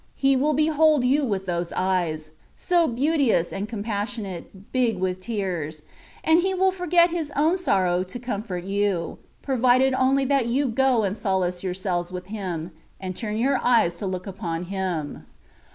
He wiU behold you with those eyes, so beauteous and compassionate, big with tears, and He will forget His own sorrow to comfort you, provided only that you go and solace your selves with Him, and turn your eyes to look upon Him.